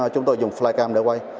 chúng tôi dùng flycam để quay